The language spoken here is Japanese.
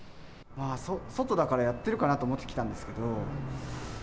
外だからやってるかなと思って来たんですけど、